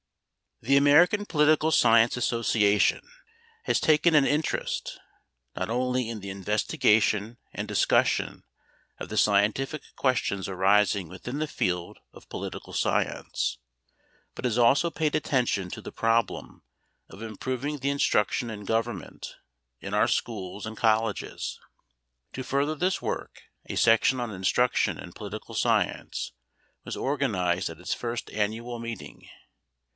The American Political Science Association has taken an interest, not only in the investigation and discussion of the scientific questions arising within the field of Political Science, but has also paid attention to the problem of improving the instruction in Government in our schools and colleges. To further this work a section on instruction in Political Science was organized at its first annual meeting.